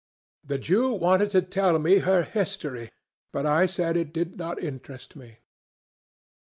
"The Jew wanted to tell me her history, but I said it did not interest me."